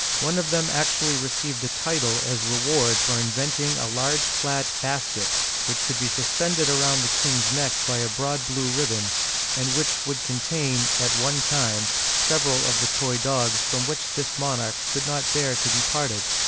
One of them actually received a title as reward for inventing a large flat basket which could be suspended around the king's neck by a broad blue ribbon, and which would contain, at one time, several of the toy dogs from which this monarch could not bear to be parted.